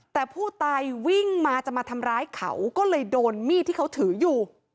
แต่ผู้ตายวิ่งมาจะมาทำร้ายเขาก็เลยโดนมีดที่เขาถืออยู่